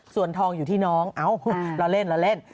ส่วนทองอยู่ที่น้องเอ้าเราเล่น